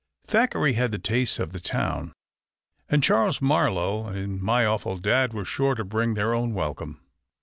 Thackeray had the tastes of the town, and Charles Marlowe and My Awful Dad were sure to bring their own welcome.